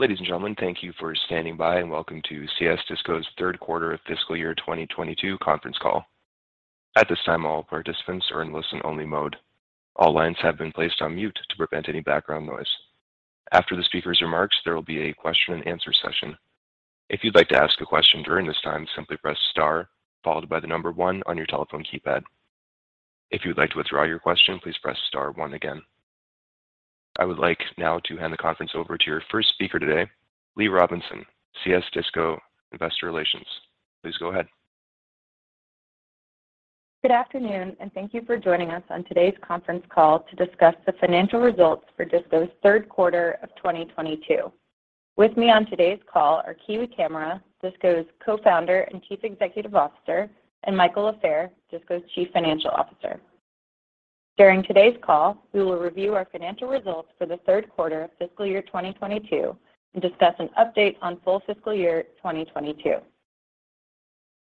Ladies and gentlemen, thank you for standing by, and welcome to CS DISCO's third quarter of fiscal year 2022 conference call. At this time, all participants are in listen-only mode. All lines have been placed on mute to prevent any background noise. After the speaker's remarks, there will be a question and answer session. If you'd like to ask a question during this time, simply press star followed by the number one on your telephone keypad. If you'd like to withdraw your question, please press star one again. I would like now to hand the conference over to your first speaker today, Lee Robinson, CS DISCO Investor Relations. Please go ahead. Good afternoon, and thank you for joining us on today's conference call to discuss the financial results for DISCO's third quarter of 2022. With me on today's call are Kiwi Camara, DISCO's Co-founder and Chief Executive Officer, and Michael Lafair, DISCO's Chief Financial Officer. During today's call, we will review our financial results for the third quarter of fiscal year 2022 and discuss an update on full fiscal year 2022.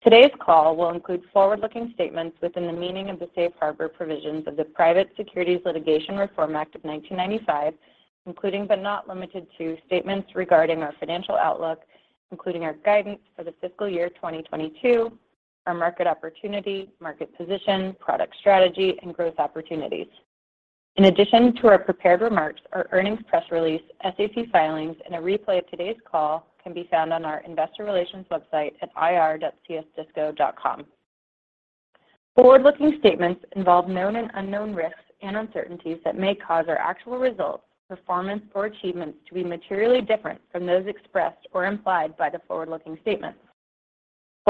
Today's call will include forward-looking statements within the meaning of the safe harbor provisions of the Private Securities Litigation Reform Act of 1995, including, but not limited to, statements regarding our financial outlook, including our guidance for the fiscal year 2022, our market opportunity, market position, product strategy, and growth opportunities. In addition to our prepared remarks, our earnings press release, SEC filings, and a replay of today's call can be found on our investor relations website at ir.csdisco.com. Forward-looking statements involve known and unknown risks and uncertainties that may cause our actual results, performance or achievements to be materially different from those expressed or implied by the forward-looking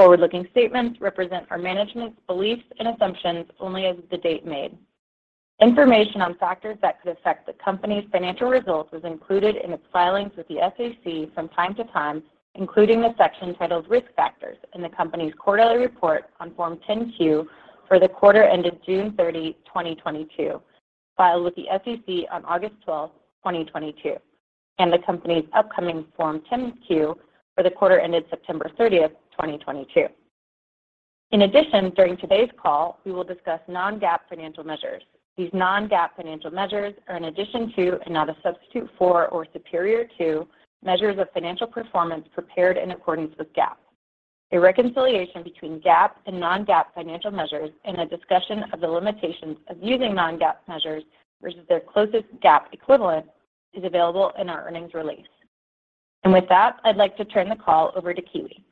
statements. Forward-looking statements represent our management's beliefs and assumptions only as of the date made. Information on factors that could affect the company's financial results is included in its filings with the SEC from time to time, including the section titled Risk Factors in the company's quarterly report on Form 10-Q for the quarter ended June 30, 2022, filed with the SEC on August 12, 2022, and the company's upcoming Form 10-Q for the quarter ended September 30th, 2022. In addition, during today's call, we will discuss non-GAAP financial measures. These non-GAAP financial measures are in addition to and not a substitute for or superior to measures of financial performance prepared in accordance with GAAP. A reconciliation between GAAP and non-GAAP financial measures and a discussion of the limitations of using non-GAAP measures versus their closest GAAP equivalent is available in our earnings release. With that, I'd like to turn the call over to Kiwi.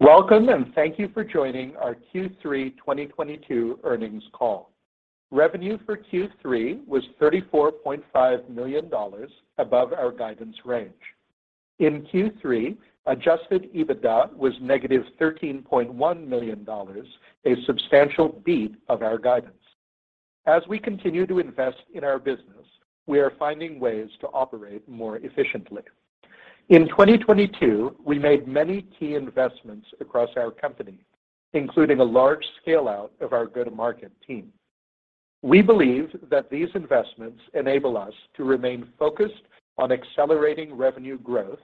Welcome, and thank you for joining our Q3 2022 earnings call. Revenue for Q3 was $34.5 million above our guidance range. In Q3, adjusted EBITDA was negative $13.1 million, a substantial beat of our guidance. As we continue to invest in our business, we are finding ways to operate more efficiently. In 2022, we made many key investments across our company, including a large scale-out of our go-to-market team. We believe that these investments enable us to remain focused on accelerating revenue growth,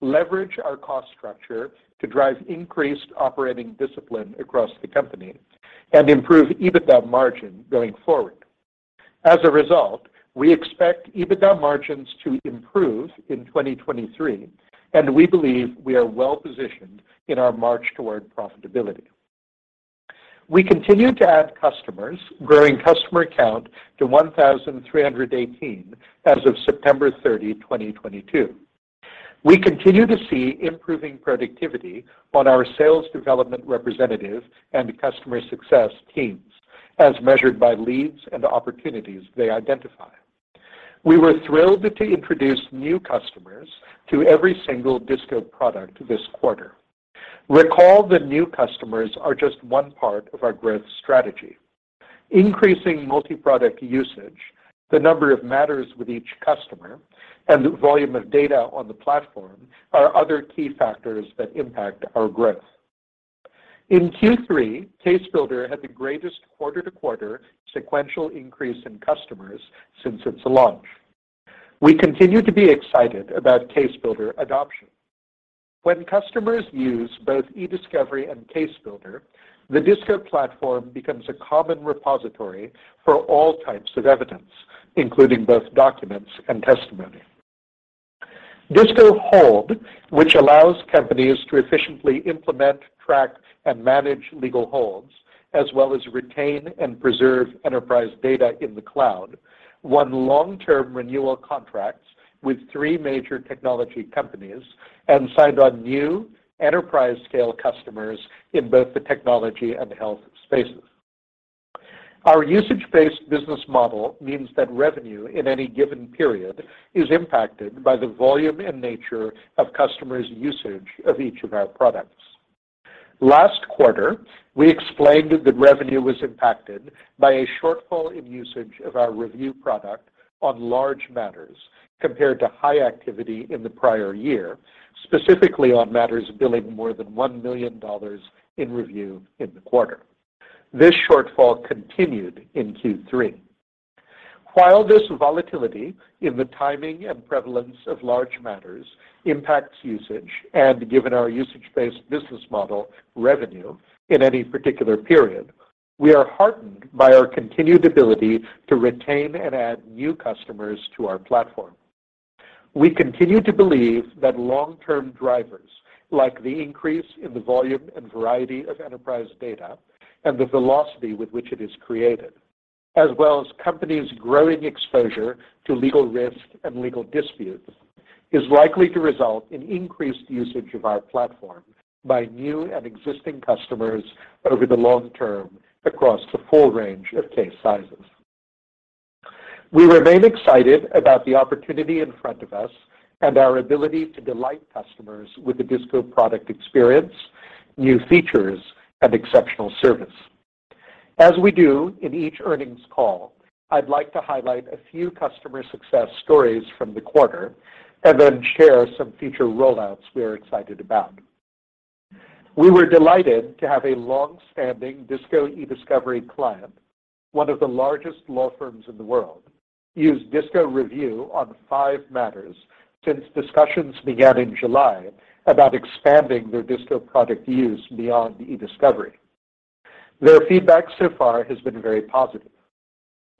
leverage our cost structure to drive increased operating discipline across the company, and improve EBITDA margin going forward. As a result, we expect EBITDA margins to improve in 2023, and we believe we are well-positioned in our march toward profitability. We continue to add customers, growing customer count to 1,318 as of September 30, 2022. We continue to see improving productivity on our sales development representative and customer success teams as measured by leads and opportunities they identify. We were thrilled to introduce new customers to every single DISCO product this quarter. Recall that new customers are just one part of our growth strategy. Increasing multi-product usage, the number of matters with each customer, and the volume of data on the platform are other key factors that impact our growth. In Q3, Case Builder had the greatest quarter-to-quarter sequential increase in customers since its launch. We continue to be excited about Case Builder adoption. When customers use both Ediscovery and Case Builder, the DISCO platform becomes a common repository for all types of evidence, including both documents and testimony. DISCO Hold, which allows companies to efficiently implement, track, and manage legal holds, as well as retain and preserve enterprise data in the cloud, won long-term renewal contracts with three major technology companies and signed on new enterprise-scale customers in both the technology and health spaces. Our usage-based business model means that revenue in any given period is impacted by the volume and nature of customers' usage of each of our products. Last quarter, we explained that revenue was impacted by a shortfall in usage of our review product on large matters compared to high activity in the prior year, specifically on matters billing more than $1 million in review in the quarter. This shortfall continued in Q3. While this volatility in the timing and prevalence of large matters impacts usage, and given our usage-based business model revenue in any particular period. We are heartened by our continued ability to retain and add new customers to our platform. We continue to believe that long-term drivers, like the increase in the volume and variety of enterprise data and the velocity with which it is created, as well as companies' growing exposure to legal risk and legal disputes, is likely to result in increased usage of our platform by new and existing customers over the long term across the full range of case sizes. We remain excited about the opportunity in front of us and our ability to delight customers with the DISCO product experience, new features, and exceptional service. As we do in each earnings call, I'd like to highlight a few customer success stories from the quarter and then share some feature rollouts we are excited about. We were delighted to have a long-standing DISCO Ediscovery client, one of the largest law firms in the world, use DISCO Review on five matters since discussions began in July about expanding their DISCO product use beyond Ediscovery. Their feedback so far has been very positive.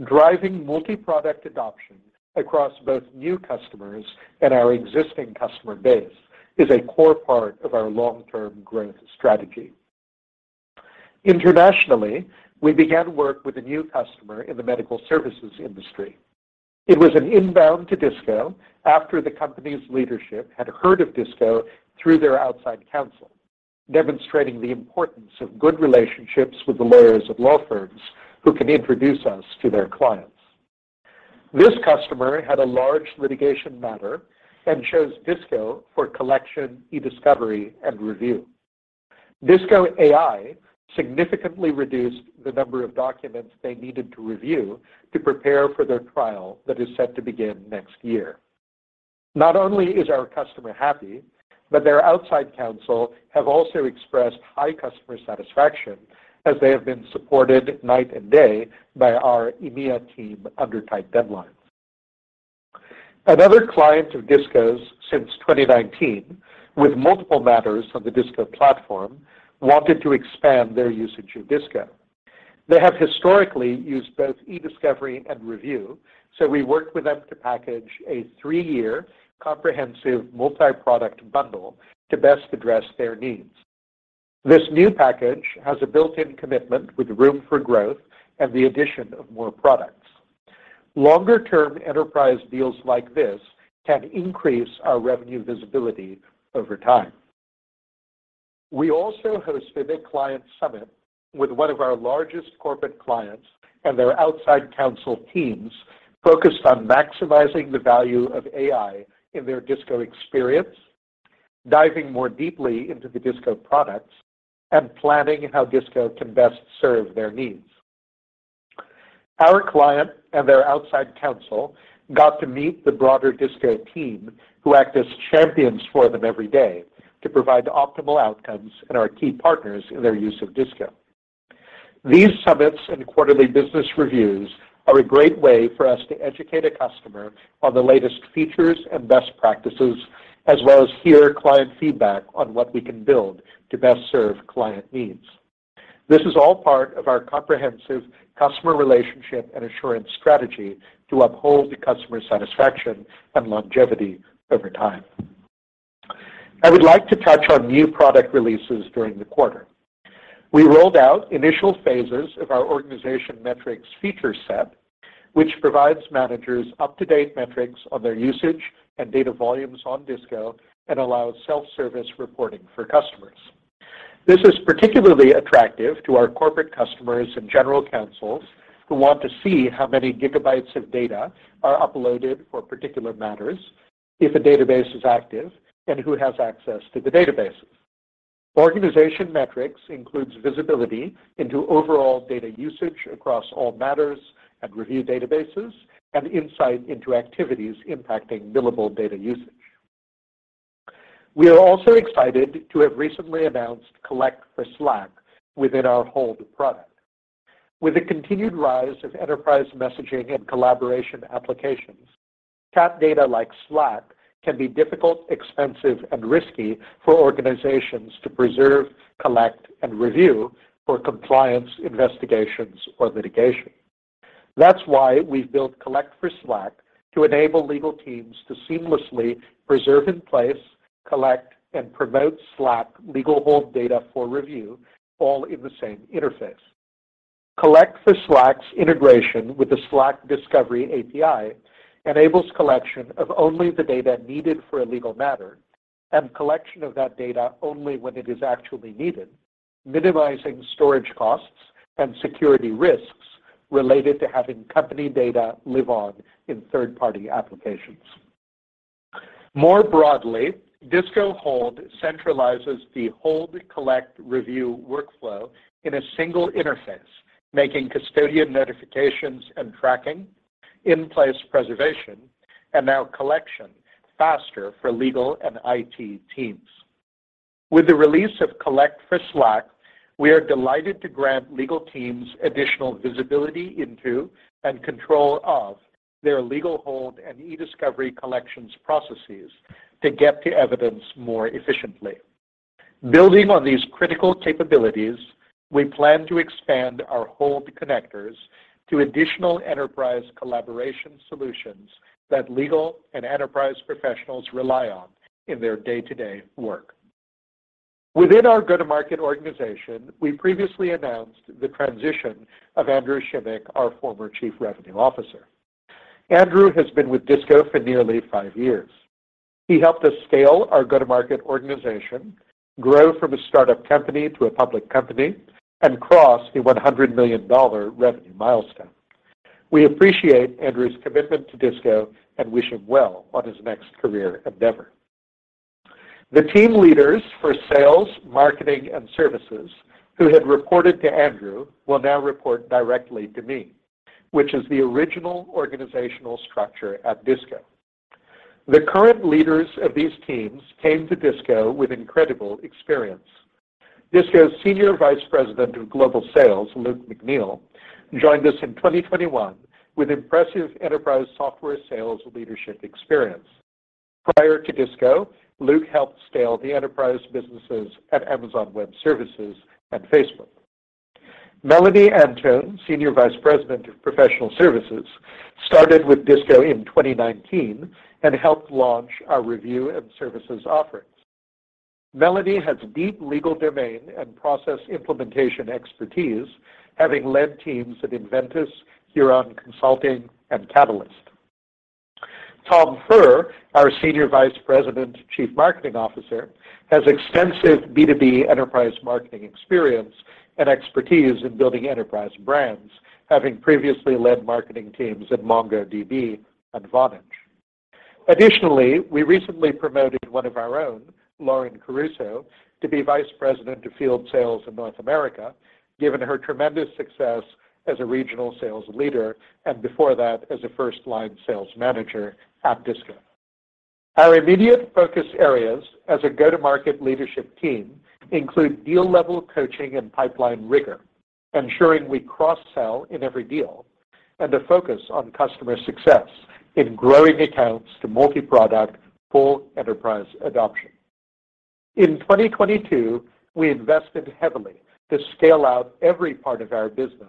Driving multi-product adoption across both new customers and our existing customer base is a core part of our long-term growth strategy. Internationally, we began work with a new customer in the medical services industry. It was an inbound to DISCO after the company's leadership had heard of DISCO through their outside counsel, demonstrating the importance of good relationships with the lawyers of law firms who can introduce us to their clients. This customer had a large litigation matter and chose DISCO for collection, Ediscovery, and review. DISCO AI significantly reduced the number of documents they needed to review to prepare for their trial that is set to begin next year. Not only is our customer happy, but their outside counsel have also expressed high customer satisfaction as they have been supported night and day by our EMEA team under tight deadlines. Another client of DISCO's since 2019 with multiple matters on the DISCO platform wanted to expand their usage of DISCO. They have historically used both Ediscovery and Review, so we worked with them to package a three-year comprehensive multi-product bundle to best address their needs. This new package has a built-in commitment with room for growth and the addition of more products. Longer-term enterprise deals like this can increase our revenue visibility over time. We also host a big client summit with one of our largest corporate clients and their outside counsel teams focused on maximizing the value of AI in their DISCO experience, diving more deeply into the DISCO products, and planning how DISCO can best serve their needs. Our client and their outside counsel got to meet the broader DISCO team who act as champions for them every day to provide optimal outcomes and are key partners in their use of DISCO. These summits and quarterly business reviews are a great way for us to educate a customer on the latest features and best practices, as well as hear client feedback on what we can build to best serve client needs. This is all part of our comprehensive customer relationship and assurance strategy to uphold the customer satisfaction and longevity over time. I would like to touch on new product releases during the quarter. We rolled out initial phases of our organization metrics feature set, which provides managers up-to-date metrics on their usage and data volumes on DISCO and allows self-service reporting for customers. This is particularly attractive to our corporate customers and general counsels who want to see how many gigabytes of data are uploaded for particular matters, if a database is active, and who has access to the databases. Organization metrics includes visibility into overall data usage across all matters and review databases and insight into activities impacting billable data usage. We are also excited to have recently announced Collect for Slack within our Hold product. With the continued rise of enterprise messaging and collaboration applications, app data like Slack can be difficult, expensive, and risky for organizations to preserve, collect, and review for compliance, investigations, or litigation. That's why we've built Collect for Slack to enable legal teams to seamlessly preserve in place, collect, and promote Slack legal hold data for review all in the same interface. Collect for Slack's integration with the Slack Discovery API enables collection of only the data needed for a legal matter and collection of that data only when it is actually needed, minimizing storage costs and security risks related to having company data live on in third-party applications. More broadly, DISCO Hold centralizes the hold, collect, review workflow in a single interface, making custodian notifications and tracking, in-place preservation, and now collection faster for legal and IT teams. With the release of Collect for Slack, we are delighted to grant legal teams additional visibility into and control of their legal hold and Ediscovery collections processes to get to evidence more efficiently. Building on these critical capabilities, we plan to expand our Hold connectors to additional enterprise collaboration solutions that legal and enterprise professionals rely on in their day-to-day work. Within our go-to-market organization, we previously announced the transition of Andrew Shimek, our former Chief Revenue Officer. Andrew has been with DISCO for nearly five years. He helped us scale our go-to-market organization, grow from a startup company to a public company, and cross the $100 million revenue milestone. We appreciate Andrew's commitment to DISCO and wish him well on his next career endeavor. The team leaders for sales, marketing, and services who had reported to Andrew will now report directly to me, which is the original organizational structure at DISCO. The current leaders of these teams came to DISCO with incredible experience. DISCO's Senior Vice President of Global Sales, Luke McNeal, joined us in 2021 with impressive enterprise software sales leadership experience. Prior to DISCO, Luke helped scale the enterprise businesses at Amazon Web Services and Facebook. Melanie Antoon, Senior Vice President of Professional Services, started with DISCO in 2019 and helped launch our review and services offerings. Melanie has deep legal domain and process implementation expertise, having led teams at Inventus, Huron Consulting, and Catalyst. Tom Furr, our Senior Vice President and Chief Marketing Officer, has extensive B2B enterprise marketing experience and expertise in building enterprise brands, having previously led marketing teams at MongoDB and Vonage. Additionally, we recently promoted one of our own, Lauren Caruso, to be Vice President of Field Sales in North America, given her tremendous success as a regional sales leader and before that, as a first-line sales manager at DISCO. Our immediate focus areas as a go-to-market leadership team include deal level coaching and pipeline rigor, ensuring we cross-sell in every deal, and a focus on customer success in growing accounts to multi-product, full enterprise adoption. In 2022, we invested heavily to scale out every part of our business,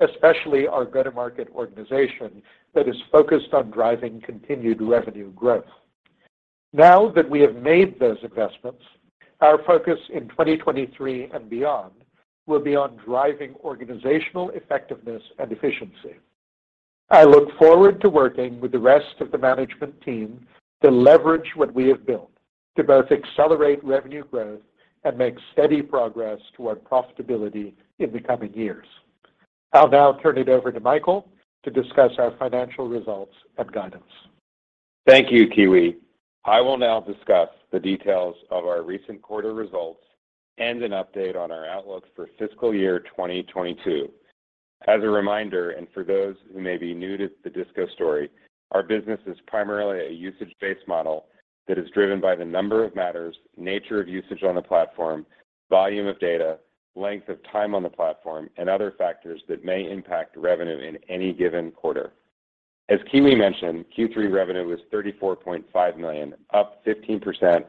especially our go-to-market organization that is focused on driving continued revenue growth. Now that we have made those investments, our focus in 2023 and beyond will be on driving organizational effectiveness and efficiency. I look forward to working with the rest of the management team to leverage what we have built to both accelerate revenue growth and make steady progress toward profitability in the coming years. I'll now turn it over to Michael to discuss our financial results and guidance. Thank you, Kiwi. I will now discuss the details of our recent quarter results and an update on our outlook for fiscal year 2022. As a reminder, for those who may be new to the DISCO story, our business is primarily a usage-based model that is driven by the number of matters, nature of usage on the platform, volume of data, length of time on the platform, and other factors that may impact revenue in any given quarter. As Kiwi mentioned, Q3 revenue was $34.5 million, up 15%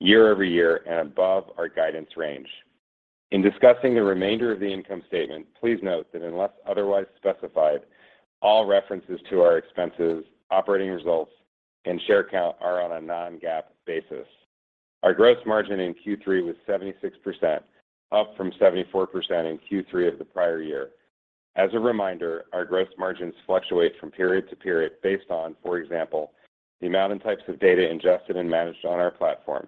year-over-year and above our guidance range. In discussing the remainder of the income statement, please note that unless otherwise specified, all references to our expenses, operating results, and share count are on a non-GAAP basis. Our gross margin in Q3 was 76%, up from 74% in Q3 of the prior year. As a reminder, our gross margins fluctuate from period to period based on, for example, the amount and types of data ingested and managed on our platform.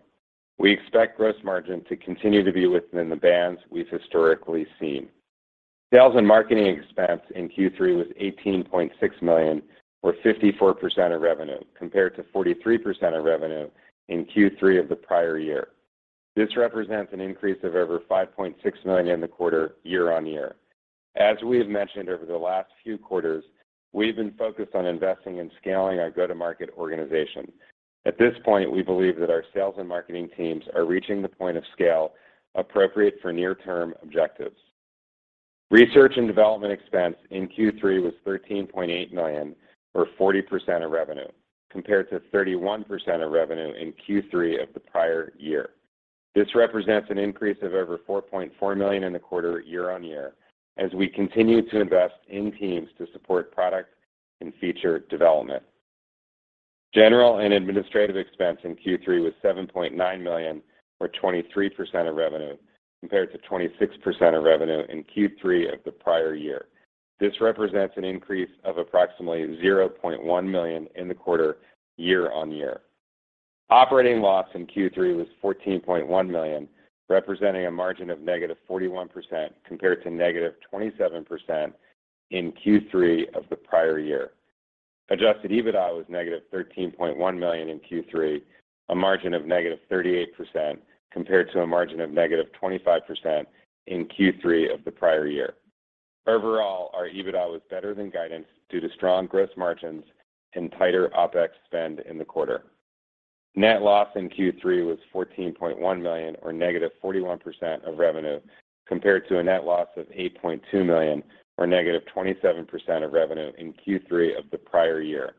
We expect gross margin to continue to be within the bands we've historically seen. Sales and marketing expense in Q3 was $18.6 million, or 54% of revenue, compared to 43% of revenue in Q3 of the prior year. This represents an increase of over $5.6 million in the quarter year-over-year. As we have mentioned over the last few quarters, we've been focused on investing in scaling our go-to-market organization. At this point, we believe that our sales and marketing teams are reaching the point of scale appropriate for near-term objectives. Research and development expense in Q3 was $13.8 million, or 40% of revenue, compared to 31% of revenue in Q3 of the prior year. This represents an increase of over $4.4 million in the quarter year-on-year as we continue to invest in teams to support product and feature development. General and administrative expense in Q3 was $7.9 million, or 23% of revenue, compared to 26% of revenue in Q3 of the prior year. This represents an increase of approximately $0.1 million in the quarter year-on-year. Operating loss in Q3 was $14.1 million, representing a margin of -41%, compared to -27% in Q3 of the prior year. Adjusted EBITDA was -$13.1 million in Q3, a margin of -38%, compared to a margin of -25% in Q3 of the prior year. Overall, our EBITDA was better than guidance due to strong gross margins and tighter OpEx spend in the quarter. Net loss in Q3 was $14.1 million or -41% of revenue compared to a net loss of $8.2 million or -27% of revenue in Q3 of the prior year.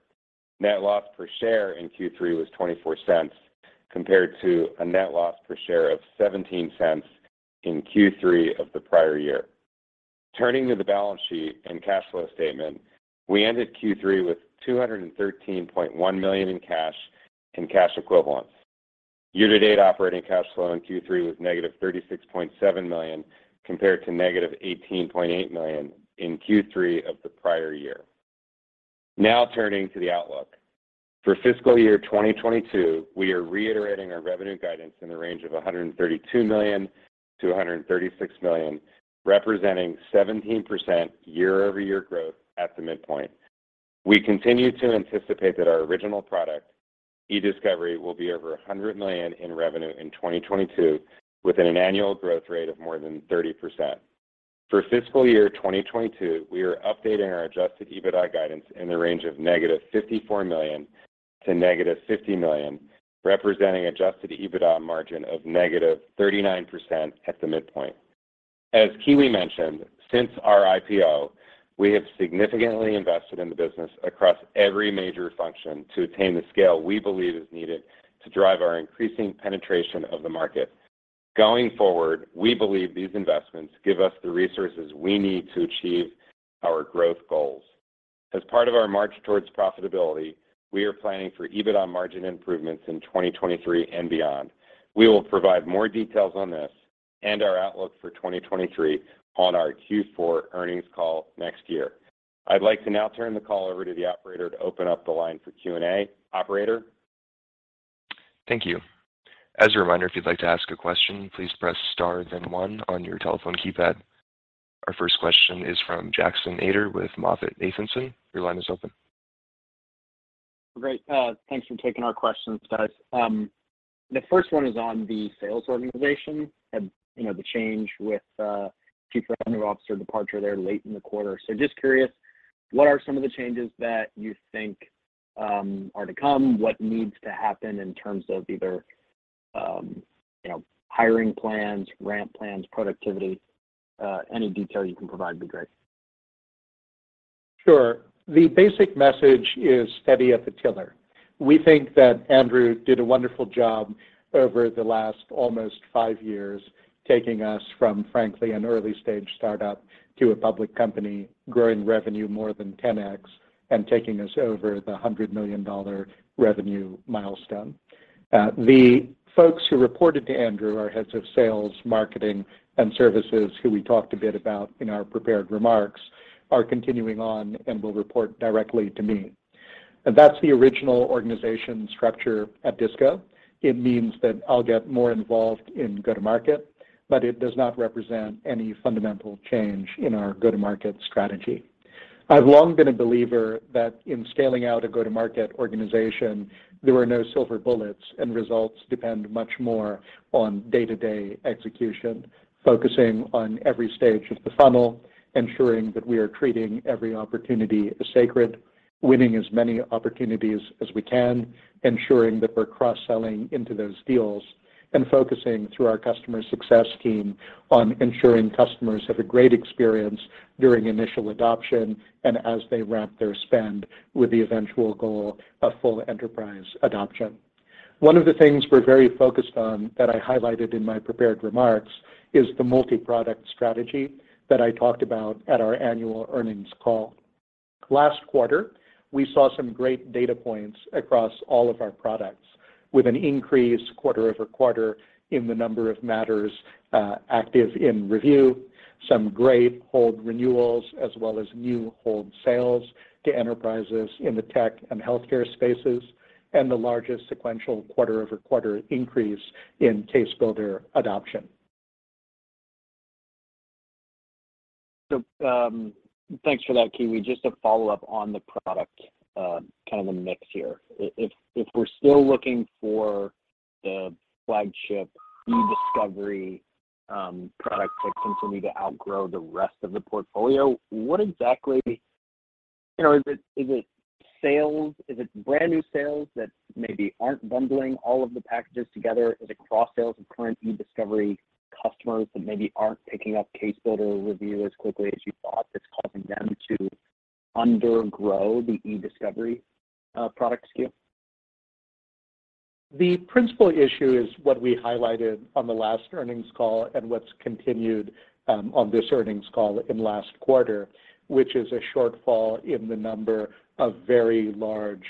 Net loss per share in Q3 was -$0.24 compared to a net loss per share of -$0.17 in Q3 of the prior year. Turning to the balance sheet and cash flow statement, we ended Q3 with $213.1 million in cash and cash equivalents. Year-to-date operating cash flow in Q3 was -$36.7 million compared to -$18.8 million in Q3 of the prior year. Now turning to the outlook. For fiscal year 2022, we are reiterating our revenue guidance in the range of $132 million-$136 million, representing 17% year-over-year growth at the midpoint. We continue to anticipate that our original product, Ediscovery, will be over $100 million in revenue in 2022 with an annual growth rate of more than 30%. For fiscal year 2022, we are updating our adjusted EBITDA guidance in the range of -$54 million-$50 million, representing adjusted EBITDA margin of -39% at the midpoint. As Kiwi mentioned, since our IPO, we have significantly invested in the business across every major function to attain the scale we believe is needed to drive our increasing penetration of the market. Going forward, we believe these investments give us the resources we need to achieve our growth goals. As part of our march towards profitability, we are planning for EBITDA margin improvements in 2023 and beyond. We will provide more details on this and our outlook for 2023 on our Q4 earnings call next year. I'd like to now turn the call over to the operator to open up the line for Q&A. Operator? Thank you. As a reminder, if you'd like to ask a question, please press star then one on your telephone keypad. Our first question is from Jackson Ader with MoffettNathanson. Your line is open. Great. Thanks for taking our questions, guys. The first one is on the sales organization and, you know, the change with Chief Revenue Officer departure there late in the quarter. Just curious, what are some of the changes that you think are to come? What needs to happen in terms of either, you know, hiring plans, ramp plans, productivity? Any detail you can provide would be great. Sure. The basic message is steady at the tiller. We think that Andrew did a wonderful job over the last almost five years, taking us from, frankly, an early-stage startup to a public company, growing revenue more than 10x, and taking us over the $100 million revenue milestone. The folks who reported to Andrew, our heads of sales, marketing, and services, who we talked a bit about in our prepared remarks, are continuing on and will report directly to me. That's the original organization structure at DISCO. It means that I'll get more involved in go-to-market, but it does not represent any fundamental change in our go-to-market strategy. I've long been a believer that in scaling out a go-to-market organization, there are no silver bullets, and results depend much more on day-to-day execution, focusing on every stage of the funnel, ensuring that we are treating every opportunity as sacred, winning as many opportunities as we can, ensuring that we're cross-selling into those deals, and focusing through our customer success team on ensuring customers have a great experience during initial adoption and as they ramp their spend with the eventual goal of full enterprise adoption. One of the things we're very focused on that I highlighted in my prepared remarks is the multi-product strategy that I talked about at our annual earnings call. Last quarter, we saw some great data points across all of our products, with an increase quarter-over-quarter in the number of matters active in review, some great hold renewals, as well as new hold sales to enterprises in the tech and healthcare spaces, and the largest sequential quarter-over-quarter increase in Case Builder adoption. Thanks for that, Kiwi. Just to follow up on the product, kinda the mix here. If we're still looking for the flagship Ediscovery product to continue to outgrow the rest of the portfolio, what exactly, you know, is it sales? Is it brand-new sales that maybe aren't bundling all of the packages together? Is it cross-sales of current Ediscovery customers that maybe aren't picking up Case Builder Review as quickly as you thought that's causing them to undergrow the Ediscovery product SKU? The principal issue is what we highlighted on the last earnings call and what's continued on this earnings call in last quarter, which is a shortfall in the number of very large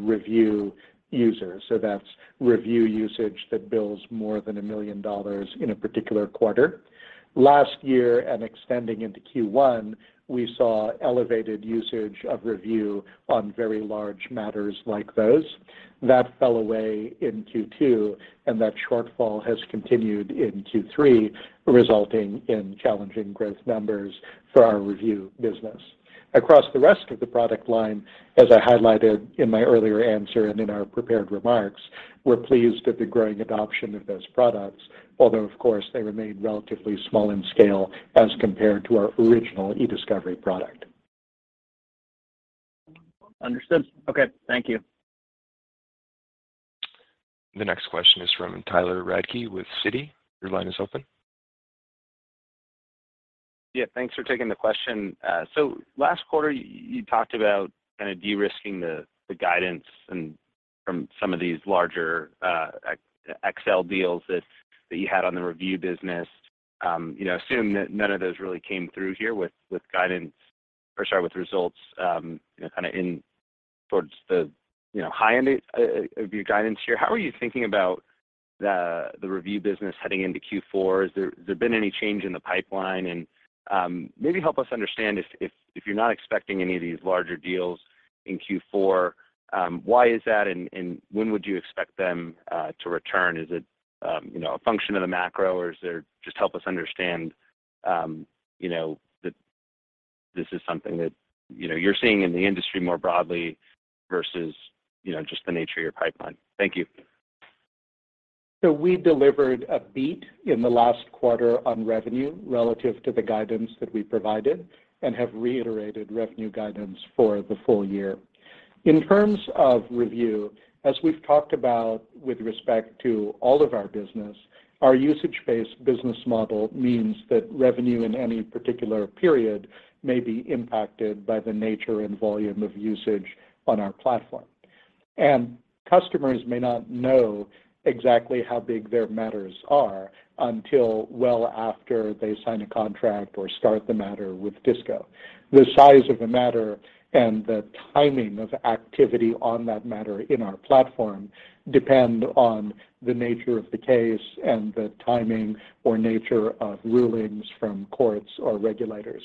review users. That's review usage that bills more than $1 million in a particular quarter. Last year and extending into Q1, we saw elevated usage of review on very large matters like those. That fell away in Q2, and that shortfall has continued in Q3, resulting in challenging growth numbers for our review business. Across the rest of the product line, as I highlighted in my earlier answer and in our prepared remarks, we're pleased at the growing adoption of those products, although, of course, they remain relatively small in scale as compared to our original Ediscovery product. Understood. Okay. Thank you. The next question is from Tyler Radke with Citi. Your line is open. Yeah, thanks for taking the question. So last quarter you talked about kinda de-risking the guidance and from some of these larger XL deals that you had on the review business. You know, assume that none of those really came through here with results, you know, kinda in towards the high end of your guidance here. How are you thinking about the review business heading into Q4? Has there been any change in the pipeline? Maybe help us understand if you're not expecting any of these larger deals in Q4, why is that and when would you expect them to return? Is it, you know, a function of the macro, or is there? Just help us understand, you know, that this is something that, you know, you're seeing in the industry more broadly versus, you know, just the nature of your pipeline. Thank you. We delivered a beat in the last quarter on revenue relative to the guidance that we provided and have reiterated revenue guidance for the full year. In terms of review, as we've talked about with respect to all of our business, our usage-based business model means that revenue in any particular period may be impacted by the nature and volume of usage on our platform. Customers may not know exactly how big their matters are until well after they sign a contract or start the matter with DISCO. The size of a matter and the timing of activity on that matter in our platform depend on the nature of the case and the timing or nature of rulings from courts or regulators.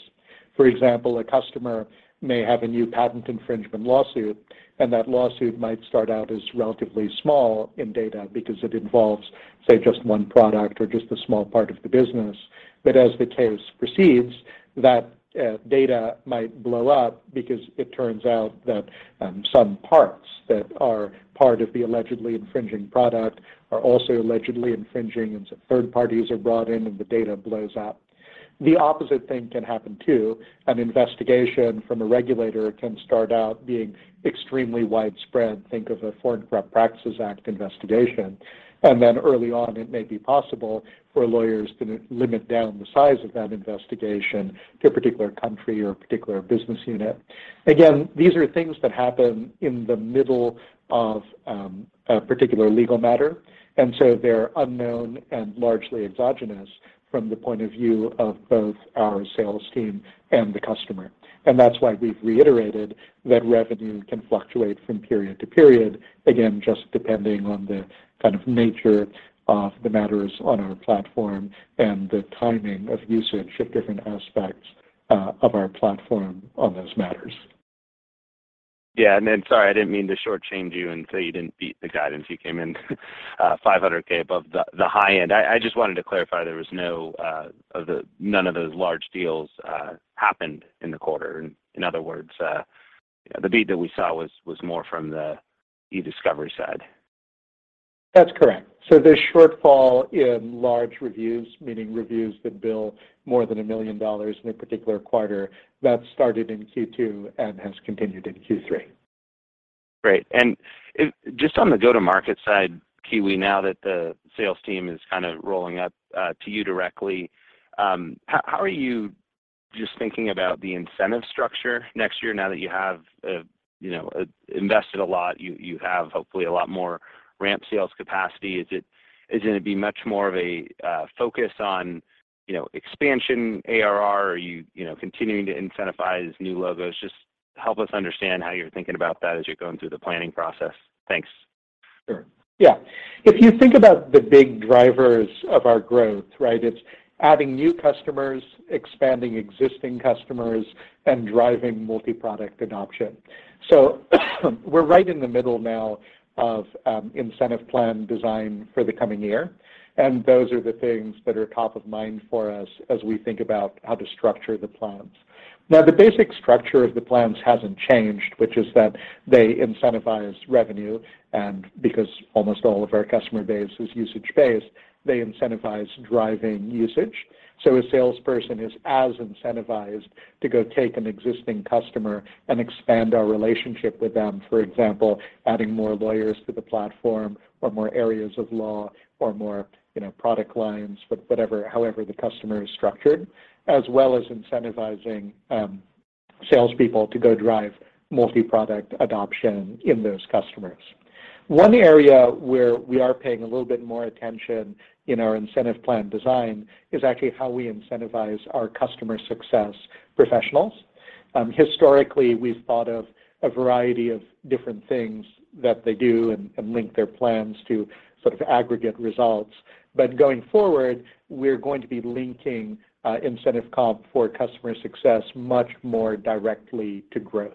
For example, a customer may have a new patent infringement lawsuit, and that lawsuit might start out as relatively small in data because it involves, say, just one product or just a small part of the business. As the case proceeds, that data might blow up because it turns out that some parts that are part of the allegedly infringing product are also allegedly infringing, and some third parties are brought in, and the data blows up. The opposite thing can happen, too. An investigation from a regulator can start out being extremely widespread. Think of a Foreign Corrupt Practices Act investigation. Early on, it may be possible for lawyers to limit down the size of that investigation to a particular country or a particular business unit. Again, these are things that happen in the middle of a particular legal matter, and so they're unknown and largely exogenous from the point of view of both our sales team and the customer. That's why we've reiterated that revenue can fluctuate from period to period, again, just depending on the kind of nature of the matters on our platform and the timing of usage of different aspects of our platform on those matters. Sorry, I didn't mean to shortchange you and say you didn't beat the guidance. You came in $0.5 million above the high end. I just wanted to clarify none of those large deals happened in the quarter. In other words, the beat that we saw was more from the Ediscovery side. That's correct. The shortfall in large reviews, meaning reviews that bill more than $1 million in a particular quarter, that started in Q2 and has continued in Q3. Great. Just on the go-to-market side, Kiwi, now that the sales team is kinda rolling up to you directly, how are you just thinking about the incentive structure next year now that you have, you know, invested a lot, you have hopefully a lot more ramp sales capacity? Is it gonna be much more of a focus on, you know, expansion ARR? Are you know, continuing to incentivize new logos? Just help us understand how you're thinking about that as you're going through the planning process. Thanks. Sure. Yeah. If you think about the big drivers of our growth, right, it's adding new customers, expanding existing customers, and driving multi-product adoption. We're right in the middle now of incentive plan design for the coming year, and those are the things that are top of mind for us as we think about how to structure the plans. Now, the basic structure of the plans hasn't changed, which is that they incentivize revenue, and because almost all of our customer base is usage-based, they incentivize driving usage. A salesperson is as incentivized to go take an existing customer and expand our relationship with them, for example, adding more lawyers to the platform or more areas of law or more, you know, product lines with whatever, however the customer is structured, as well as incentivizing salespeople to go drive multi-product adoption in those customers. One area where we are paying a little bit more attention in our incentive plan design is actually how we incentivize our customer success professionals. Historically, we've thought of a variety of different things that they do and link their plans to sort of aggregate results. Going forward, we're going to be linking incentive comp for customer success much more directly to growth.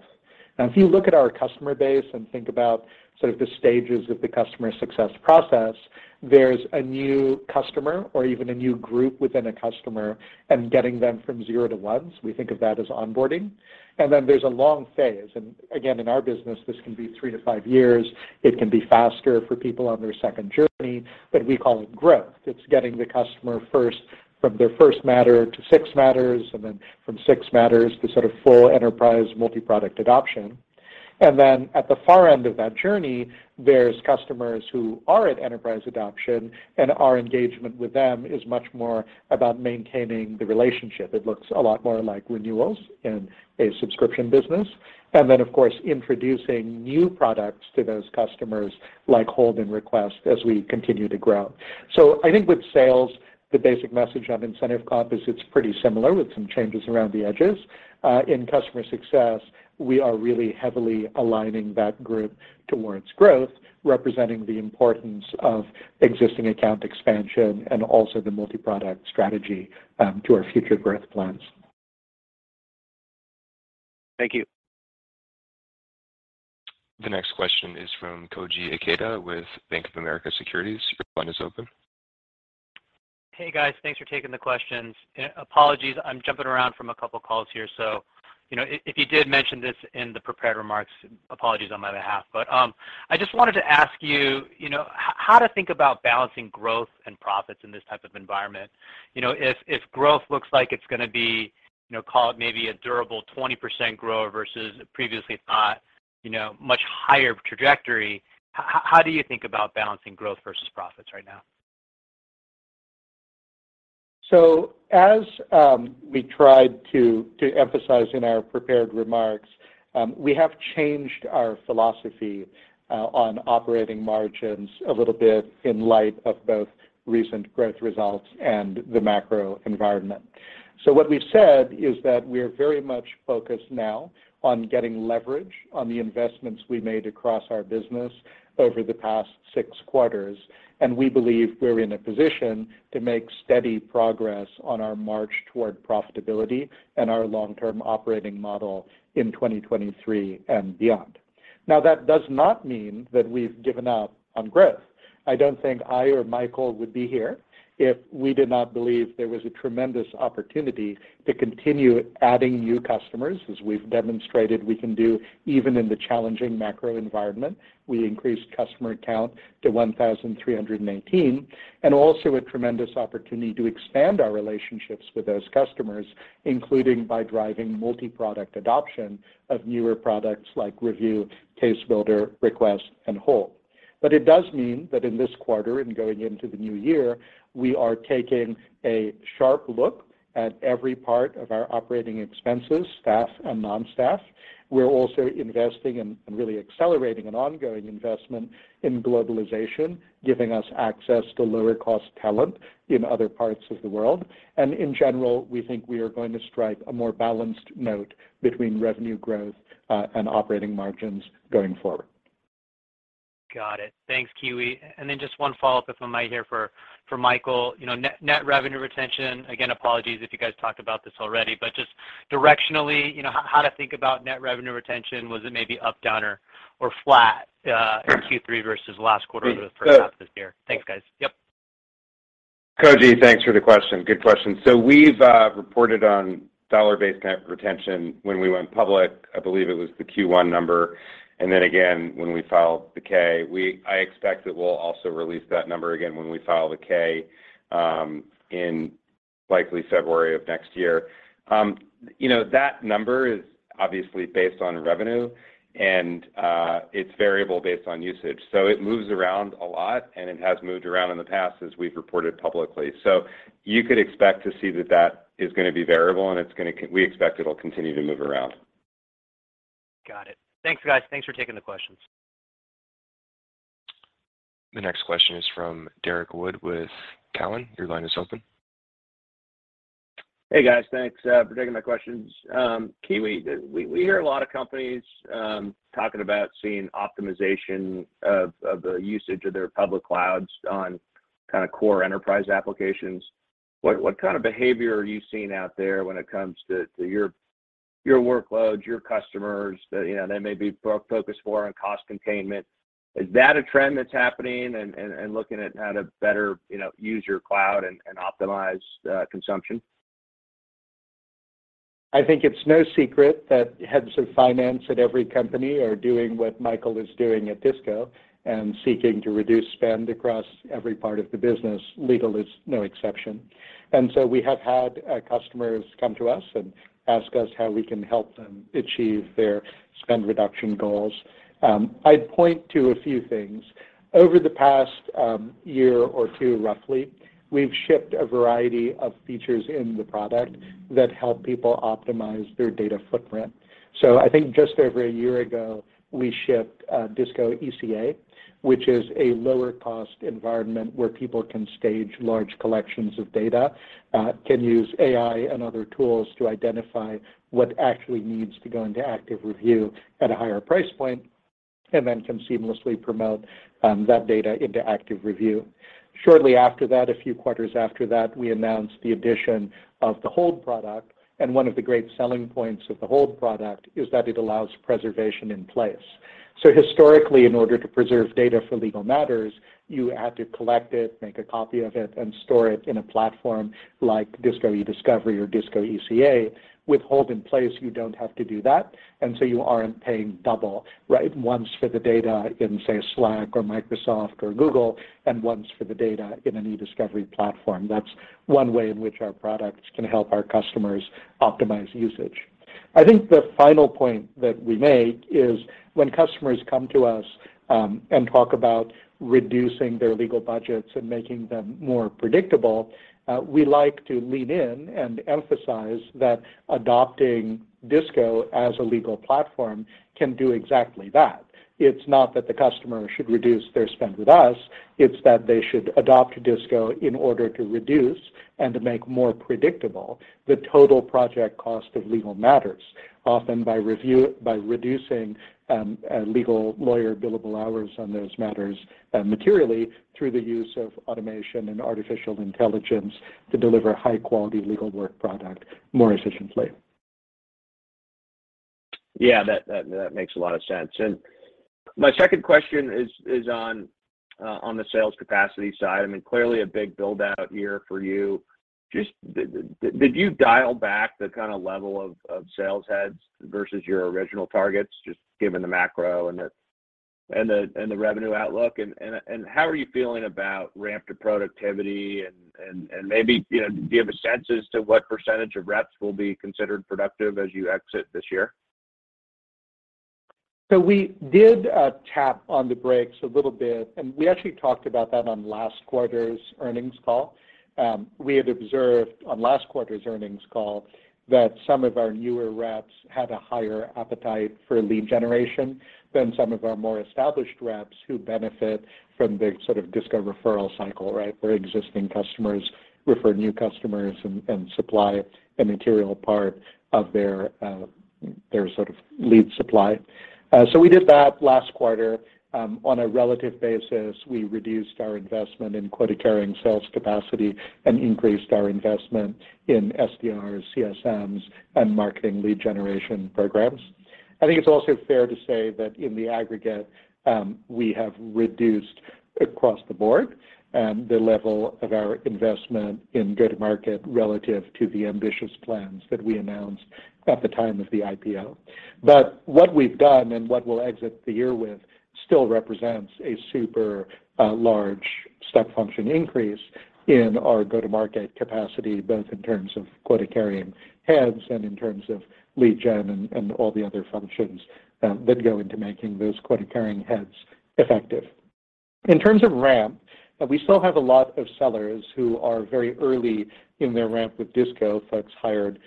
Now, if you look at our customer base and think about sort of the stages of the customer success process, there's a new customer or even a new group within a customer, and getting them from zero to ones, we think of that as onboarding. Then there's a long phase, and again, in our business, this can be three to five years. It can be faster for people on their second journey, we call it growth. It's getting the customer first. From their first matter to six matters, and then from six matters to sort of full enterprise multi-product adoption. At the far end of that journey, there's customers who are at enterprise adoption, and our engagement with them is much more about maintaining the relationship. It looks a lot more like renewals in a subscription business and then, of course, introducing new products to those customers, like Hold and Request, as we continue to grow. I think with sales, the basic message on incentive comp is it's pretty similar with some changes around the edges. In customer success, we are really heavily aligning that group towards growth, representing the importance of existing account expansion and also the multi-product strategy to our future growth plans. Thank you. The next question is from Koji Ikeda with Bank of America Securities. Your line is open. Hey, guys. Thanks for taking the questions. Apologies, I'm jumping around from a couple calls here. You know, if you did mention this in the prepared remarks, apologies on my behalf. I just wanted to ask you know, how to think about balancing growth and profits in this type of environment. You know, if growth looks like it's gonna be, you know, call it maybe a durable 20% growth versus previously thought, you know, much higher trajectory, how do you think about balancing growth versus profits right now? As we tried to emphasize in our prepared remarks, we have changed our philosophy on operating margins a little bit in light of both recent growth results and the macro environment. What we've said is that we're very much focused now on getting leverage on the investments we made across our business over the past six quarters, and we believe we're in a position to make steady progress on our march toward profitability and our long-term operating model in 2023 and beyond. Now, that does not mean that we've given up on growth. I don't think I or Michael would be here if we did not believe there was a tremendous opportunity to continue adding new customers, as we've demonstrated we can do even in the challenging macro environment. We increased customer count to 1,318, and also a tremendous opportunity to expand our relationships with those customers, including by driving multi-product adoption of newer products like Review, Case Builder, Request, and Hold. It does mean that in this quarter and going into the new year, we are taking a sharp look at every part of our operating expenses, staff and non-staff. We're also investing and really accelerating an ongoing investment in globalization, giving us access to lower cost talent in other parts of the world. In general, we think we are going to strike a more balanced note between revenue growth and operating margins going forward. Got it. Thanks, Kiwi. Just one follow-up, if I might here for Michael. You know, net revenue retention, again, apologies if you guys talked about this already, but just directionally, you know, how to think about net revenue retention. Was it maybe up, down or flat in Q3 versus last quarter or the first half of this year? Thanks, guys. Yep. Koji, thanks for the question. Good question. We've reported on dollar-based net retention when we went public. I believe it was the Q1 number, and then again when we filed the Form 10-K. I expect that we'll also release that number again when we file the Form 10-K, in likely February of next year. You know, that number is obviously based on revenue and it's variable based on usage. It moves around a lot, and it has moved around in the past as we've reported publicly. You could expect to see that it is gonna be variable, and we expect it'll continue to move around. Got it. Thanks, guys. Thanks for taking the questions. The next question is from Derrick Wood with Cowen. Your line is open. Hey, guys. Thanks for taking my questions. Kiwi, we hear a lot of companies talking about seeing optimization of the usage of their public clouds on kinda core enterprise applications. What kind of behavior are you seeing out there when it comes to your workload, your customers that you know they may be focused more on cost containment? Is that a trend that's happening and looking at how to better you know use your cloud and optimize consumption? I think it's no secret that heads of finance at every company are doing what Michael is doing at DISCO and seeking to reduce spend across every part of the business. Legal is no exception. We have had customers come to us and ask us how we can help them achieve their spend reduction goals. I'd point to a few things. Over the past year or two, roughly, we've shipped a variety of features in the product that help people optimize their data footprint. I think just over a year ago, we shipped DISCO ECA, which is a lower cost environment where people can stage large collections of data, can use AI and other tools to identify what actually needs to go into active review at a higher price point, and then can seamlessly promote that data into active review. Shortly after that, a few quarters after that, we announced the addition of the Hold product, and one of the great selling points of the Hold product is that it allows preservation in place. Historically, in order to preserve data for legal matters, you had to collect it, make a copy of it, and store it in a platform like DISCO Ediscovery or DISCO ECA. With Hold in place, you don't have to do that, and so you aren't paying double, right? Once for the data in, say, Slack or Microsoft or Google, and once for the data in an Ediscovery platform. That's one way in which our products can help our customers optimize usage. I think the final point that we make is when customers come to us, and talk about reducing their legal budgets and making them more predictable, we like to lean in and emphasize that adopting DISCO as a legal platform can do exactly that. It's not that the customer should reduce their spend with us, it's that they should adopt DISCO in order to reduce and to make more predictable the total project cost of legal matters, often by reducing, legal lawyer billable hours on those matters, materially through the use of automation and artificial intelligence to deliver high-quality legal work product more efficiently. Yeah, that makes a lot of sense. My second question is on the sales capacity side. I mean, clearly a big build-out year for you. Just, did you dial back the kinda level of sales heads versus your original targets, just given the macro and the revenue outlook? How are you feeling about ramp to productivity and maybe, you know, do you have a sense as to what percentage of reps will be considered productive as you exit this year? We did tap on the brakes a little bit, and we actually talked about that on last quarter's earnings call. We had observed on last quarter's earnings call that some of our newer reps had a higher appetite for lead generation than some of our more established reps who benefit from the sort of DISCO referral cycle, right, where existing customers refer new customers and supply a material part of their sort of lead supply. We did that last quarter. On a relative basis, we reduced our investment in quota-carrying sales capacity and increased our investment in SDRs, CSMs, and marketing lead generation programs. I think it's also fair to say that in the aggregate, we have reduced across the board, the level of our investment in go-to-market relative to the ambitious plans that we announced at the time of the IPO. What we've done and what we'll exit the year with still represents a super, large step function increase in our go-to-market capacity, both in terms of quota-carrying heads and in terms of lead gen and all the other functions, that go into making those quota-carrying heads effective. In terms of ramp, we still have a lot of sellers who are very early in their ramp with DISCO, folks hired,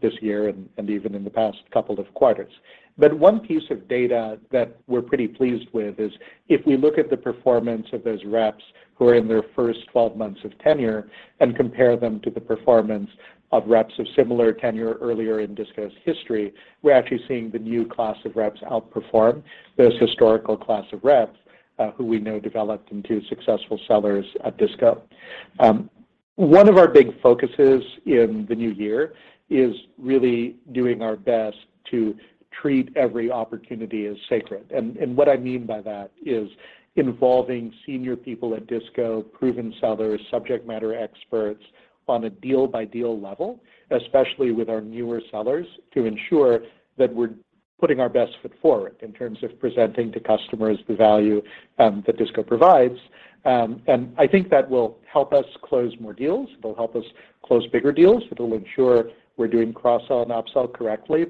this year and even in the past couple of quarters. One piece of data that we're pretty pleased with is if we look at the performance of those reps who are in their first 12 months of tenure and compare them to the performance of reps of similar tenure earlier in DISCO's history, we're actually seeing the new class of reps outperform those historical class of reps, who we know developed into successful sellers at DISCO. One of our big focuses in the new year is really doing our best to treat every opportunity as sacred. What I mean by that is involving senior people at DISCO, proven sellers, subject matter experts on a deal-by-deal level, especially with our newer sellers, to ensure that we're putting our best foot forward in terms of presenting to customers the value that DISCO provides. I think that will help us close more deals. It'll help us close bigger deals. It'll ensure we're doing cross-sell and upsell correctly.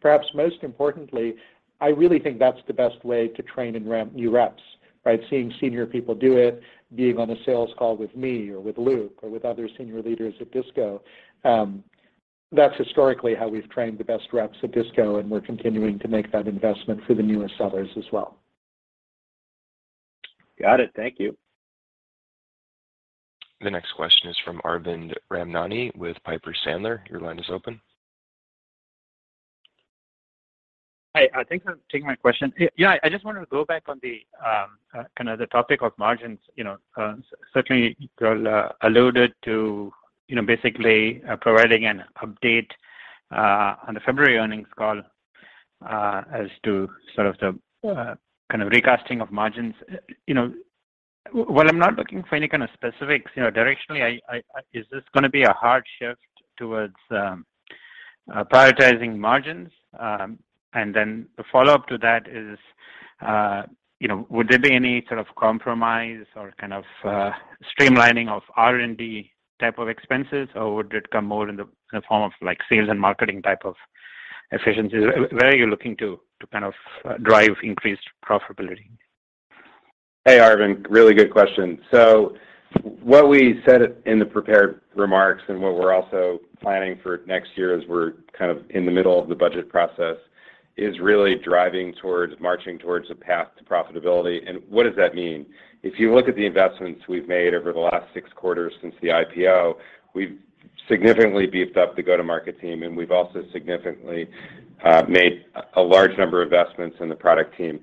Perhaps most importantly, I really think that's the best way to train and ramp new reps, right? Seeing senior people do it, being on a sales call with me or with Luke or with other senior leaders at DISCO, that's historically how we've trained the best reps at DISCO, and we're continuing to make that investment for the newer sellers as well. Got it. Thank you. The next question is from Arvind Ramnani with Piper Sandler. Your line is open. Hi, thanks for taking my question. Yeah, I just wanted to go back on the kind of the topic of margins. You know, certainly you all alluded to, you know, basically providing an update on the February earnings call as to sort of the kind of recasting of margins. You know, while I'm not looking for any kind of specifics, you know, directionally is this gonna be a hard shift towards prioritizing margins? The follow-up to that is, you know, would there be any sort of compromise or kind of streamlining of R&D type of expenses, or would it come more in the form of, like, sales and marketing type of efficiencies? Where are you looking to kind of drive increased profitability? Hey, Arvind, really good question. What we said in the prepared remarks and what we're also planning for next year as we're kind of in the middle of the budget process, is really driving towards, marching towards a path to profitability. What does that mean? If you look at the investments we've made over the last six quarters since the IPO, we've significantly beefed up the go-to-market team, and we've also significantly made a large number of investments in the product team.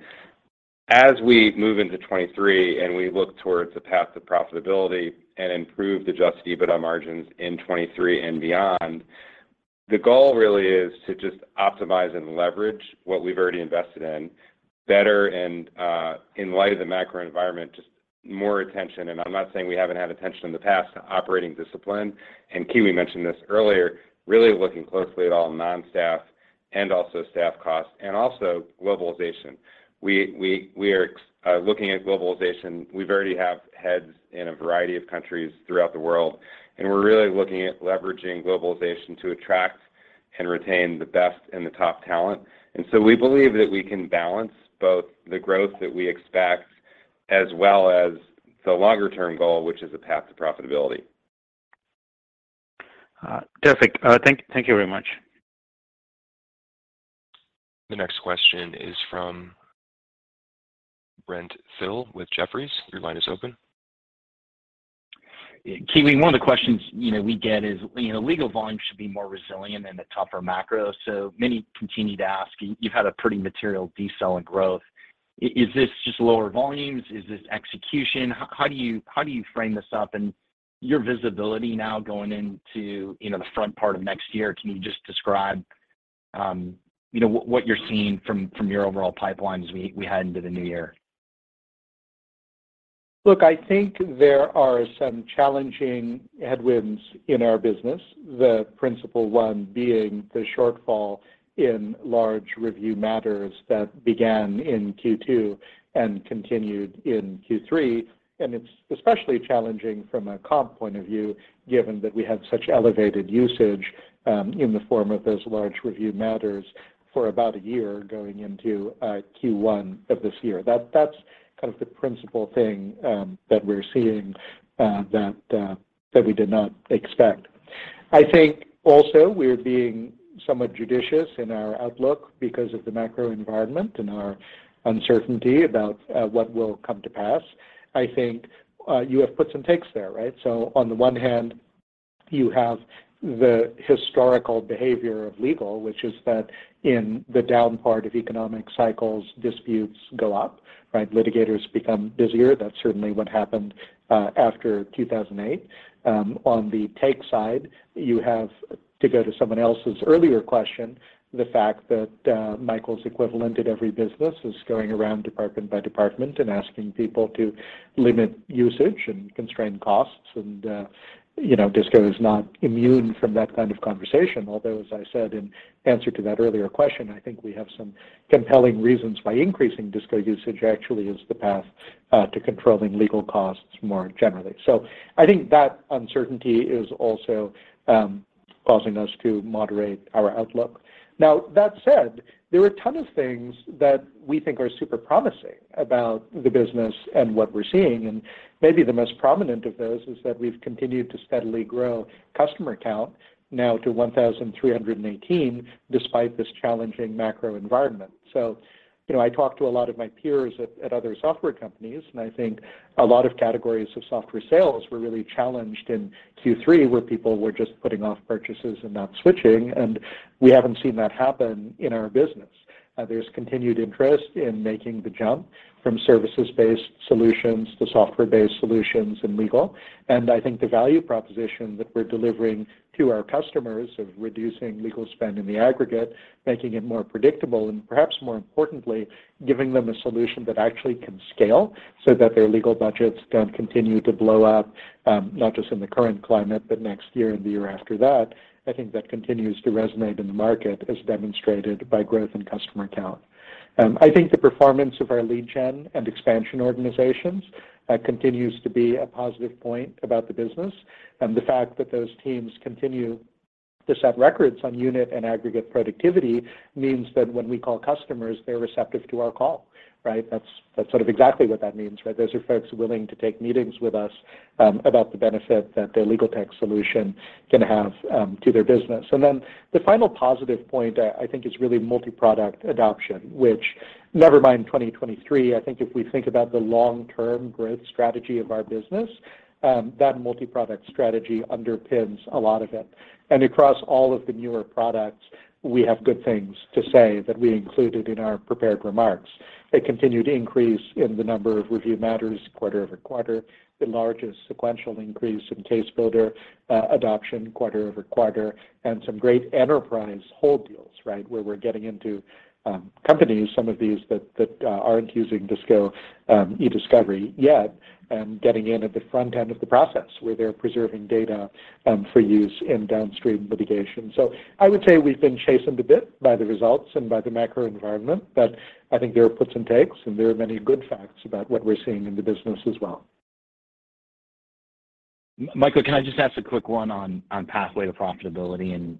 As we move into 2023 and we look towards a path to profitability and improve adjusted EBITDA margins in 2023 and beyond, the goal really is to just optimize and leverage what we've already invested in better and, in light of the macro environment, just more attention. I'm not saying we haven't had attention in the past to operating discipline, and Kiwi mentioned this earlier, really looking closely at all non-staff and also staff costs and also globalization. We are looking at globalization. We already have heads in a variety of countries throughout the world, and we're really looking at leveraging globalization to attract and retain the best and the top talent. We believe that we can balance both the growth that we expect as well as the longer term goal, which is a path to profitability. Terrific. Thank you very much. The next question is from Brent Thill with Jefferies. Your line is open. Yeah. Kiwi, one of the questions, you know, we get is, you know, legal volume should be more resilient in a tougher macro, so many continue to ask, you've had a pretty material decel in growth. Is this just lower volumes? Is this execution? How do you frame this up? Your visibility now going into, you know, the front part of next year, can you just describe, you know, what you're seeing from your overall pipeline as we head into the new year? Look, I think there are some challenging headwinds in our business, the principal one being the shortfall in large review matters that began in Q2 and continued in Q3, and it's especially challenging from a comp point of view, given that we had such elevated usage in the form of those large review matters for about a year going into Q1 of this year. That's kind of the principal thing that we're seeing that we did not expect. I think also we're being somewhat judicious in our outlook because of the macro environment and our uncertainty about what will come to pass. I think you have puts and takes there, right? On the one hand, you have the historical behavior of legal, which is that in the down part of economic cycles, disputes go up, right? Litigators become busier. That's certainly what happened after 2008. On the take side, you have, to go to someone else's earlier question, the fact that, Michael's equivalent at every business is going around department by department and asking people to limit usage and constrain costs. You know, DISCO is not immune from that kind of conversation, although, as I said in answer to that earlier question, I think we have some compelling reasons why increasing DISCO usage actually is the path to controlling legal costs more generally. I think that uncertainty is also causing us to moderate our outlook. Now, that said, there are a ton of things that we think are super promising about the business and what we're seeing, and maybe the most prominent of those is that we've continued to steadily grow customer count now to 1,318, despite this challenging macro environment. You know, I talk to a lot of my peers at other software companies, and I think a lot of categories of software sales were really challenged in Q3, where people were just putting off purchases and not switching, and we haven't seen that happen in our business. There's continued interest in making the jump from services-based solutions to software-based solutions in legal. I think the value proposition that we're delivering to our customers of reducing legal spend in the aggregate, making it more predictable, and perhaps more importantly, giving them a solution that actually can scale so that their legal budgets don't continue to blow up, not just in the current climate, but next year and the year after that, I think that continues to resonate in the market as demonstrated by growth in customer count. I think the performance of our lead gen and expansion organizations continues to be a positive point about the business. The fact that those teams continue to set records on unit and aggregate productivity means that when we call customers, they're receptive to our call, right? That's sort of exactly what that means, right? Those are folks willing to take meetings with us, about the benefit that their legal tech solution can have, to their business. Then the final positive point, I think is really multi-product adoption, which never mind 2023, I think if we think about the long-term growth strategy of our business, that multi-product strategy underpins a lot of it. Across all of the newer products, we have good things to say that we included in our prepared remarks. A continued increase in the number of review matters quarter-over-quarter, the largest sequential increase in CaseBuilder adoption quarter-over-quarter, and some great enterprise hold deals, right? Where we're getting into companies, some of these that aren't using DISCO Ediscovery yet, and getting in at the front end of the process, where they're preserving data for use in downstream litigation. I would say we've been chastened a bit by the results and by the macro environment, but I think there are puts and takes, and there are many good facts about what we're seeing in the business as well. Michael, can I just ask a quick one on pathway to profitability and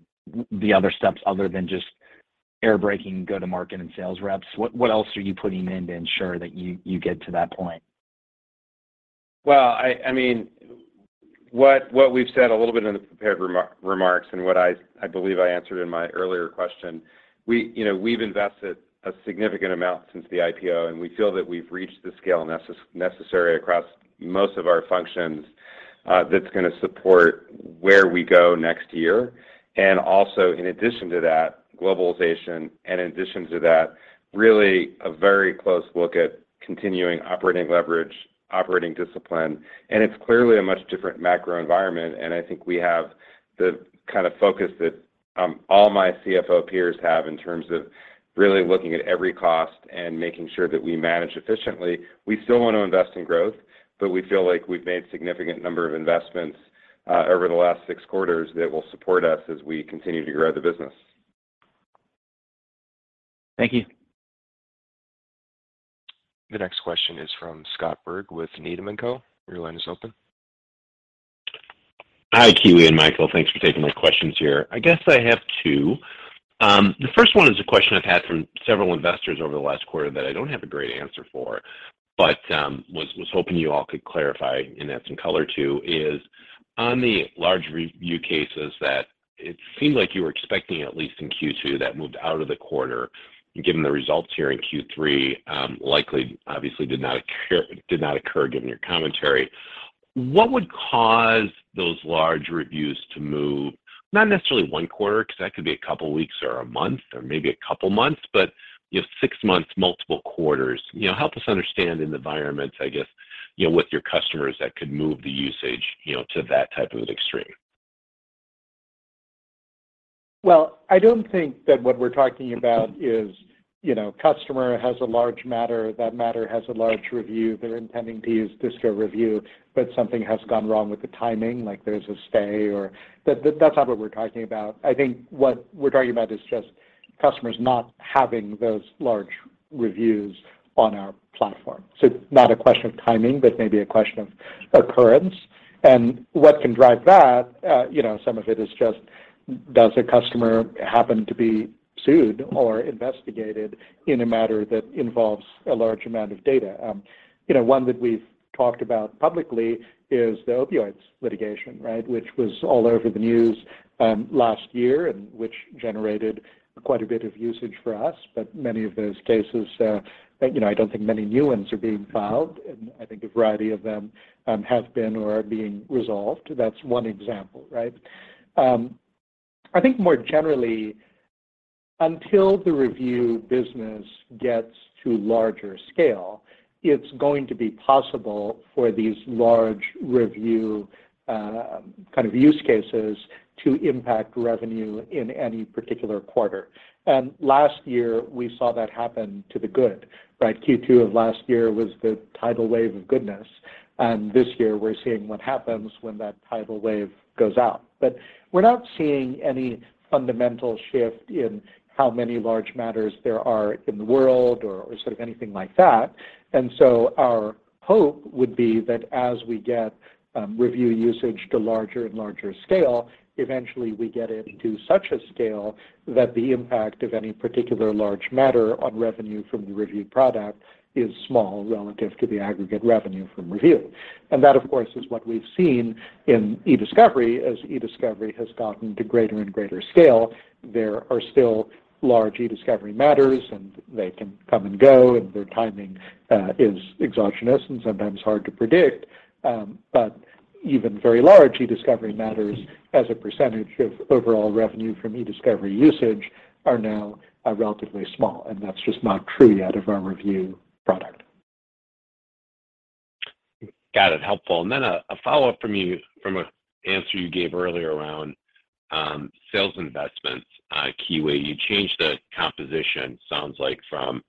the other steps other than just our branding go-to-market and sales reps? What else are you putting in to ensure that you get to that point? I mean, what we've said a little bit in the prepared remarks and what I believe I answered in my earlier question, we, you know, we've invested a significant amount since the IPO, and we feel that we've reached the scale necessary across most of our functions, that's gonna support where we go next year. Also in addition to that, globalization, and in addition to that, really a very close look at continuing operating leverage, operating discipline. It's clearly a much different macro environment, and I think we have the kind of focus that all my CFO peers have in terms of really looking at every cost and making sure that we manage efficiently. We still want to invest in growth, but we feel like we've made significant number of investments over the last six quarters that will support us as we continue to grow the business. Thank you. The next question is from Scott Berg with Needham & Company. Your line is open. Hi, Kiwi and Michael, thanks for taking my questions here. I guess I have two. The first one is a question I've had from several investors over the last quarter that I don't have a great answer for, but was hoping you all could clarify and add some color to, is on the large review cases that it seemed like you were expecting, at least in Q2, that moved out of the quarter, given the results here in Q3, likely obviously did not occur given your commentary. What would cause those large reviews to move, not necessarily one quarter, 'cause that could be a couple of weeks or a month or maybe a couple months, but, you know, six months, multiple quarters? You know, help us understand in the environment, I guess, you know, with your customers that could move the usage, you know, to that type of an extreme? Well, I don't think that what we're talking about is, you know, customer has a large matter, that matter has a large review, they're intending to use DISCO Review, but something has gone wrong with the timing, like there's a stay or. That's not what we're talking about. I think what we're talking about is just customers not having those large reviews on our platform. Not a question of timing, but maybe a question of occurrence. What can drive that, you know, some of it is just does a customer happen to be sued or investigated in a matter that involves a large amount of data? You know, one that we've talked about publicly is the opioids litigation, right? Which was all over the news, last year and which generated quite a bit of usage for us. Many of those cases, you know, I don't think many new ones are being filed, and I think a variety of them have been or are being resolved. That's one example, right? I think more generally, until the review business gets to larger scale, it's going to be possible for these large review kind of use cases to impact revenue in any particular quarter. Last year, we saw that happen to the good, right? Q2 of last year was the tidal wave of goodness, and this year we're seeing what happens when that tidal wave goes out. We're not seeing any fundamental shift in how many large matters there are in the world or sort of anything like that. Our hope would be that as we get review usage to larger and larger scale, eventually we get it to such a scale that the impact of any particular large matter on revenue from the review product is small relative to the aggregate revenue from review. That, of course, is what we've seen in Ediscovery. As Ediscovery has gotten to greater and greater scale, there are still large Ediscovery matters, and they can come and go, and their timing is exogenous and sometimes hard to predict. But even very large Ediscovery matters as a percentage of overall revenue from Ediscovery usage are now relatively small, and that's just not true yet of our review product. Got it. Helpful. A follow-up from you from an answer you gave earlier around sales investments. Kiwi, you changed the composition, sounds like, from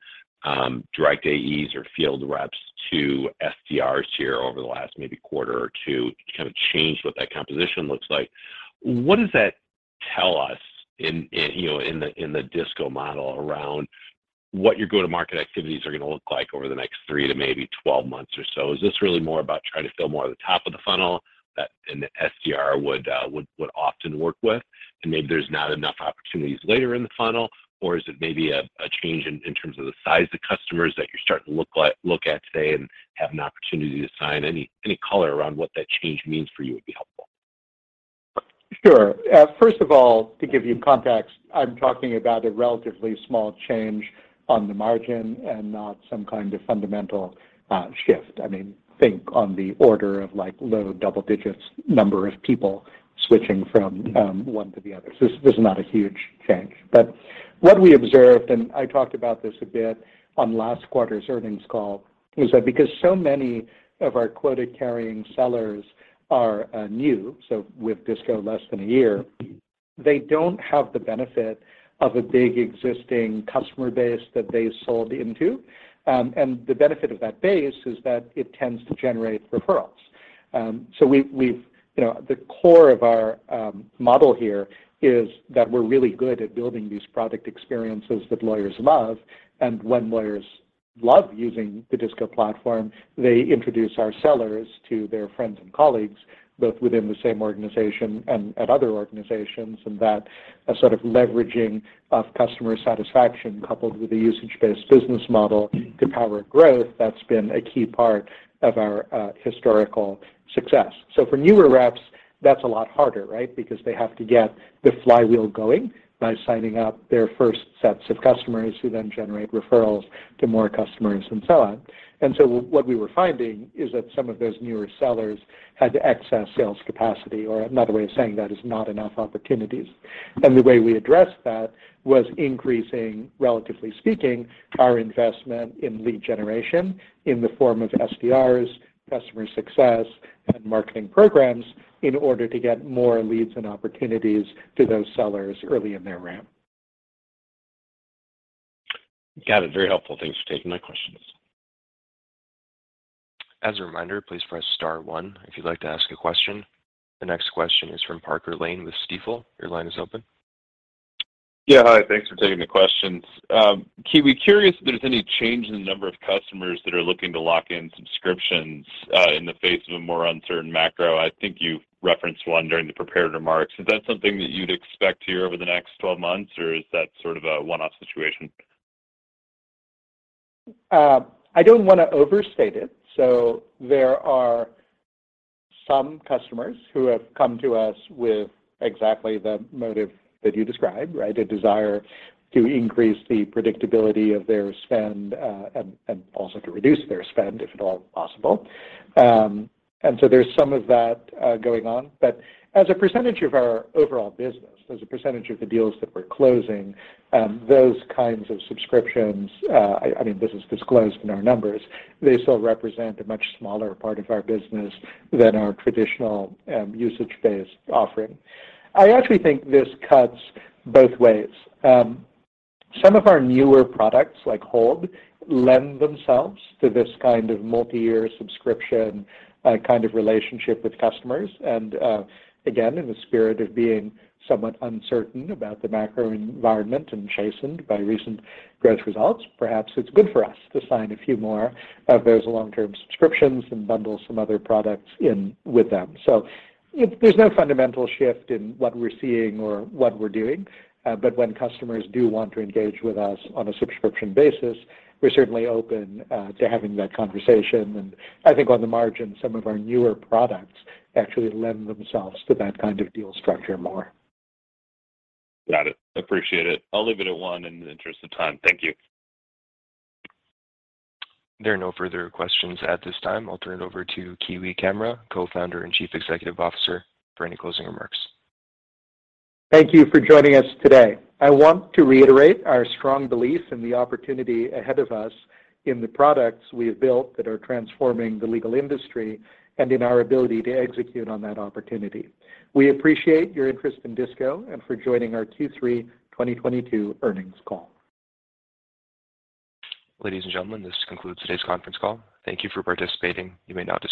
direct AEs or field reps to SDRs here over the last maybe quarter or two. You kind of changed what that composition looks like. What does that tell us in, you know, in the DISCO model around what your go-to-market activities are gonna look like over the next three to maybe 12 months or so? Is this really more about trying to fill more at the top of the funnel that an SDR would often work with, and maybe there's not enough opportunities later in the funnel? Is it maybe a change in terms of the size of customers that you're starting to look at today and have an opportunity to sign? Any color around what that change means for you would be helpful. Sure. First of all, to give you context, I'm talking about a relatively small change on the margin and not some kind of fundamental shift. I mean, think on the order of, like, low double digits number of people switching from one to the other. This is not a huge change. What we observed, and I talked about this a bit on last quarter's earnings call, was that because so many of our quota-carrying sellers are new, so with DISCO less than a year, they don't have the benefit of a big existing customer base that they sold into. And the benefit of that base is that it tends to generate referrals. We, you know, the core of our model here is that we're really good at building these product experiences that lawyers love. When lawyers love using the DISCO platform, they introduce our sellers to their friends and colleagues, both within the same organization and at other organizations. That sort of leveraging of customer satisfaction coupled with the usage-based business model, the power of growth, that's been a key part of our historical success. For newer reps, that's a lot harder, right? Because they have to get the flywheel going by signing up their first sets of customers who then generate referrals to more customers and so on. What we were finding is that some of those newer sellers had excess sales capacity, or another way of saying that is not enough opportunities. The way we addressed that was increasing, relatively speaking, our investment in lead generation in the form of SDRs, customer success, and marketing programs in order to get more leads and opportunities to those sellers early in their ramp. Got it. Very helpful. Thanks for taking my questions. As a reminder, please press star one if you'd like to ask a question. The next question is from Parker Lane with Stifel. Your line is open. Yeah, hi. Thanks for taking the questions. Kiwi, curious if there's any change in the number of customers that are looking to lock in subscriptions, in the face of a more uncertain macro. I think you referenced one during the prepared remarks. Is that something that you'd expect to hear over the next 12 months, or is that sort of a one-off situation? I don't wanna overstate it. There are some customers who have come to us with exactly the motive that you described, right? The desire to increase the predictability of their spend, and also to reduce their spend if at all possible. There's some of that going on. As a percentage of our overall business, as a percentage of the deals that we're closing, those kinds of subscriptions, I mean, this is disclosed in our numbers. They still represent a much smaller part of our business than our traditional usage-based offering. I actually think this cuts both ways. Some of our newer products, like Hold, lend themselves to this kind of multi-year subscription kind of relationship with customers. Again, in the spirit of being somewhat uncertain about the macro environment and chastened by recent growth results, perhaps it's good for us to sign a few more of those long-term subscriptions and bundle some other products in with them. There's no fundamental shift in what we're seeing or what we're doing. When customers do want to engage with us on a subscription basis, we're certainly open to having that conversation. I think on the margin, some of our newer products actually lend themselves to that kind of deal structure more. Got it. Appreciate it. I'll leave it at one in the interest of time. Thank you. There are no further questions at this time. I'll turn it over to Kiwi Camara, Co-founder and Chief Executive Officer, for any closing remarks. Thank you for joining us today. I want to reiterate our strong belief in the opportunity ahead of us in the products we have built that are transforming the legal industry and in our ability to execute on that opportunity. We appreciate your interest in DISCO and for joining our Q3 2022 earnings call. Ladies and gentlemen, this concludes today's conference call. Thank you for participating. You may now disconnect.